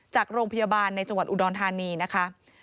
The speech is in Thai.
จากโรงพยาบาลในจังหวัดอุดรธานีนะคะ